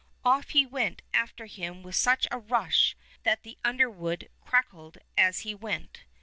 Off he went after him with such a rush that the underwood crackled as he went.